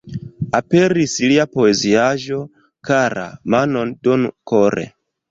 Aperis lia poeziaĵo "Kara, manon donu kore!